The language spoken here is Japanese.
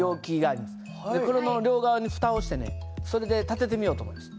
これの両側にふたをしてねそれで立ててみようと思います。